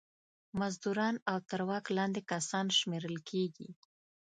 مزدوران او تر واک لاندې کسان شمېرل کیږي.